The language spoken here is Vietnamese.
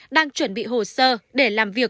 đang chuẩn bị hồ sơ để làm việc